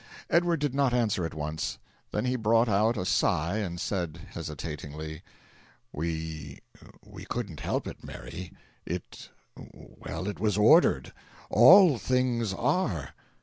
Edward did not answer at once; then he brought out a sigh and said, hesitatingly: "We we couldn't help it, Mary. It well it was ordered. ALL things are."